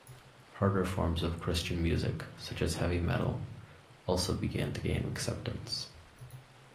Harder forms of Christian music, such as heavy metal, also began to gain acceptance.